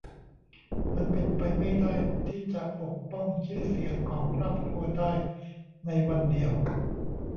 มันเป็นไปไม่ได้ที่จะปกป้องชื่อเสียงของครอบครัวได้ในวันเดียว